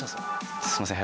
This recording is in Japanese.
すいません。